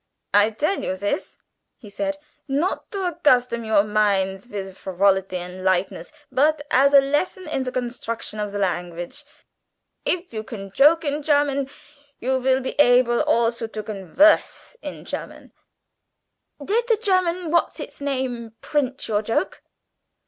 "I dell you zis," he said, "not to aggustom your minds vid frivolity and lightness, but as a lesson in ze gonstruction of ze langwitch. If you can choke in Charman, you will be able also to gonverse in Charman." "Did the German what's its name print your joke?"